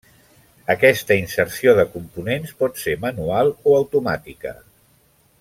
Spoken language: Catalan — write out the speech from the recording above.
Aquesta inserció de components pot ser manual o automàtica.